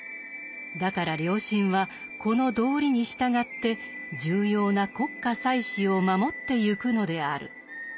だから良臣はこの道理に従って重要な国家祭祀を守ってゆくのである。